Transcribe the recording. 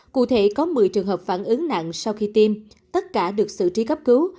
cụ thể có một mươi trường hợp phản ứng nặng sau khi tiêm tất cả được sự trí cấp cứu